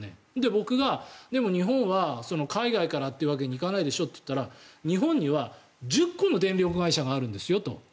僕が、でも日本は海外からというわけにはいかないでしょって言ったら日本には１０個の電力会社があるんですよと。